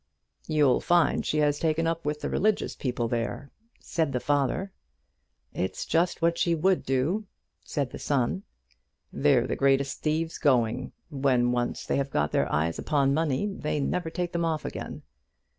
"You'll find she has taken up with the religious people there," said the father. "It's just what she would do," said the son. "They're the greatest thieves going. When once they have got their eyes upon money, they never take them off again."